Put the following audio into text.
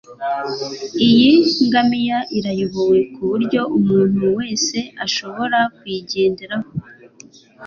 Iyi ngamiya irayobowe kuburyo umuntu wese ashobora kuyigenderaho.